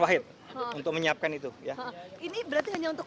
dua duanya ya pak